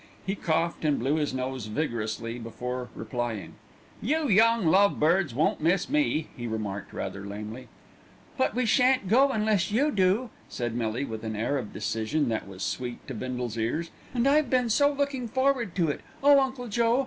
He coughed and blew his nose vigorously before replying. "You young love birds won't miss me," he remarked rather lamely. "But we shan't go unless you do," said Millie with an air of decision that was sweet to Bindle's ears, "and I've been so looking forward to it. Oh, Uncle Joe!